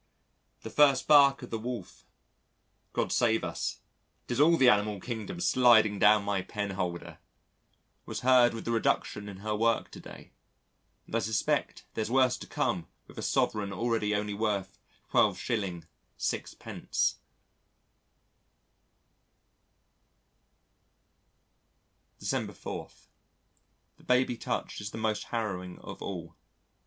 The first bark of the Wolf (God save us, 'tis all the Animal Kingdom sliding down my penholder) was heard with the reduction in her work to day, and I suspect there's worse to come with a sovereign already only worth 12s. 6d. December 4. The Baby touch is the most harrowing of all.